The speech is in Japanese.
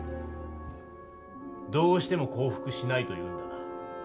どうしても降伏しないと言うんだな？